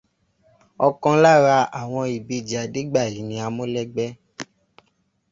Ọkan lárá àwọn ìbejì Adégbàyí ni Amọ́lẹ́gbẹ́